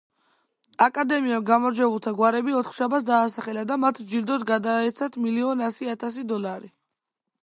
აკადემიამ გამარჯვებულთა გვარები ოთხშაბათს დაასახელა და მათ ჯილდოდ გადაეცათ მილიონ ასი ათასი დოლარი.